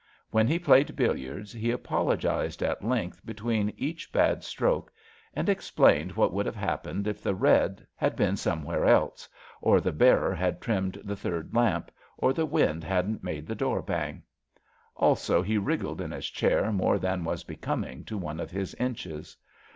When he played billiards he apologized at length between each bad SUPPLEMENTAEY CHAPTER 151 stroke, and explained what would have happened if the red had been somewhere else, or the bearer had trimmed the third lamp, or the wind hadn^t made the door bang. Also he wriggled in his chair more than was becoming to one of his inches.